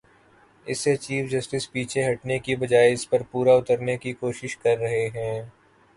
اس سے chief justice پیچھے ہٹنے کی بجائے اس پر پورا اترنے کی کوشش کر رہے ہیں۔